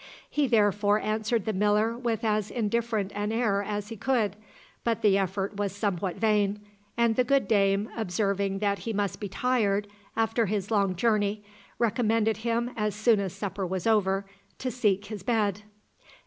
He therefore answered the miller with as indifferent an air as he could, but the effort was somewhat vain, and the good dame, observing that he must be tired after his long journey, recommended him as soon as supper was over to seek his bed.